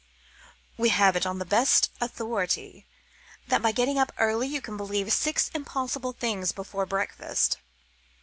"We have it on the best authority that by getting up early you can believe six impossible things before breakfast."